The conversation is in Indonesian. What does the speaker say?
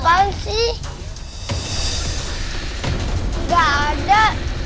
cari pesawat ya